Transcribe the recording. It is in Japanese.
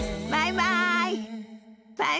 バイバイ！